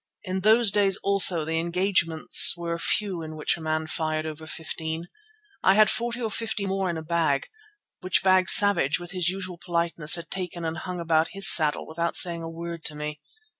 In those days also the engagements were few in which a man fired over fifteen. I had forty or fifty more in a bag, which bag Savage with his usual politeness had taken and hung upon his saddle without saying a word to me.